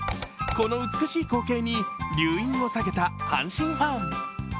この美しい光景に留飲を下げた阪神ファン。